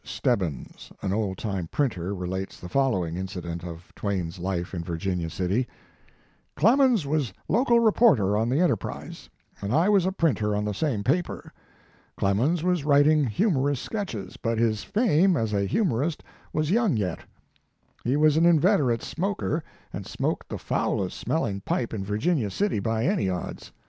Stebbins, an old time printer, relates the following incident of Twain s life in Virginia City: "Clemens was local reporter on The Enterprise, and I was a printer on the same paper. Clemens was writing humorous sketches, but his fame as a humorist was young yet. He was an inveterate smoker, and smoked the foulest smelling pipe in Vir ginia City by au odds.